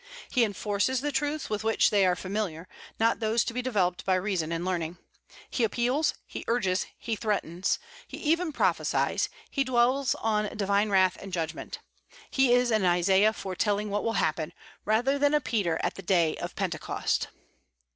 He enforces the truths with which they are familiar, not those to be developed by reason and learning. He appeals, he urges, he threatens; he even prophesies; he dwells on divine wrath and judgment. He is an Isaiah foretelling what will happen, rather than a Peter at the Day of Pentecost.